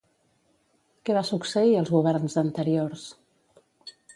Què va succeir als governs anteriors?